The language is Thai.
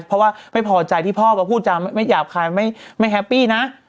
เพราะว่าไม่พอใจที่พ่อมาพูดจะไม่หยาบคายไม่แฮปปี้นะ